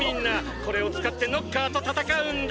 これを使ってノッカーと戦うんだ！